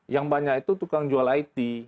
yang banyak itu tukang jual it